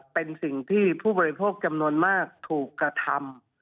เป็นสิ่งที่ผู้บริโภคจำนวนมากถูกกระทำ